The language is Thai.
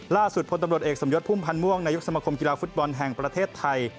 ล่าสุดพลตำรวจเอกสมยศพุ่มพันธ์ม่วงนายกสมคมกีฬาฟุตบอลแห่งประเทศไทย